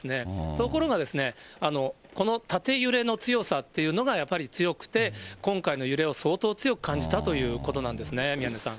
ところがですね、この縦揺れの強さっていうのがやっぱり強くて、今回の揺れを相当強く感じたということなんですね、宮根さん。